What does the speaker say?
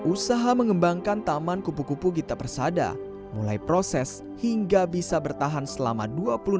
usaha mengembangkan taman kupu kupu gita persada mulai proses hingga bisa bertahan selama dua puluh tahun